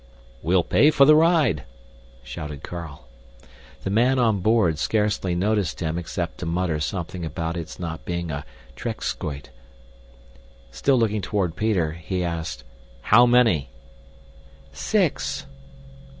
"We'll pay for the ride!" shouted Carl. The man on board scarcely noticed him except to mutter something about its not being a trekschuit. Still looking toward Peter, he asked, "How many?" "Six."